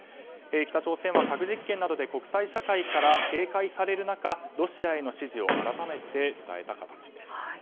北朝鮮は核実験などで国際社会から警戒される中ロシアへの支持を改めて伝えた形です。